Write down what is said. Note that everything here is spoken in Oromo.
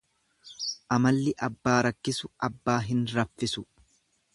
Amalli abbaa rakkisu abbaa hin raffisu.